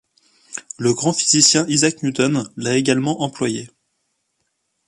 Le grand physicien Isaac Newton l'a également employée.